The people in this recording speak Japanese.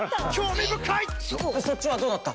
そっちはどうだった？